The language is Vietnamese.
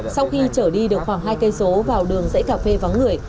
sau khi trở đi được khoảng hai km vào đường dãy cà phê vắng người